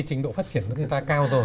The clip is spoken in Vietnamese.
trình độ phát triển của chúng ta cao rồi